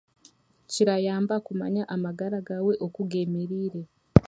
Kirayamba kumanya amagara gawe oku g'emereire.